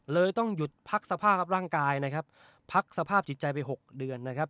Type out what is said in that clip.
เลยต้องหยุดพักสภาพร่างกายนะครับพักสภาพจิตใจไป๖เดือนนะครับ